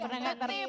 pernah gak tertib